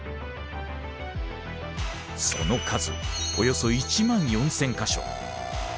その数およそ１万４，０００か所。